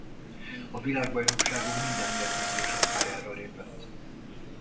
A világbajnokságon minden mérkőzésen pályára lépett.